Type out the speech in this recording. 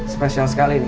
spesial sekali ini